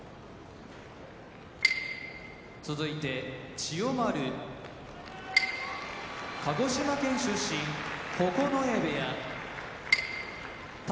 千代丸鹿児島県出身九重部屋宝